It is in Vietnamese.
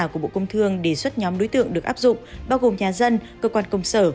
của bộ công thương đề xuất nhóm đối tượng được áp dụng bao gồm nhà dân cơ quan công sở